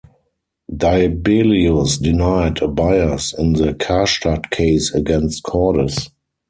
Dibelius denied a bias in the "Karstadt" case against Cordes.